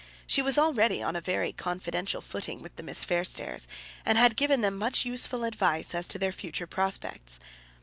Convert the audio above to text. She was already on a very confidential footing with the Miss Fairstairs, and had given them much useful advice as to their future prospects.